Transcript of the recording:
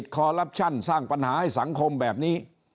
คอลลับชั่นสร้างปัญหาให้สังคมแบบนี้